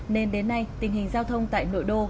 nên đến nay tình hình giao thông tại nội đô